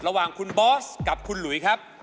ระหว่างคุณบอสกับคุณหลุยครับ